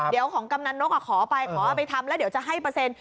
เดี๋ยวของกำนันนกขอไปขอเอาไปทำแล้วเดี๋ยวจะให้เปอร์เซ็นต์